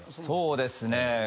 そうですね。